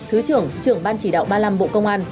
thứ trưởng trưởng ban chỉ đạo ba mươi năm bộ công an